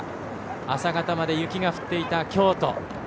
朝方まで雪が降っていた京都。